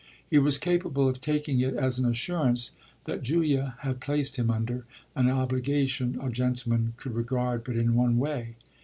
He was capable of taking it as an assurance that Julia had placed him under an obligation a gentleman could regard but in one way.